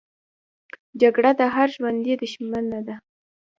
جګړه د هر ژوندي دښمنه ده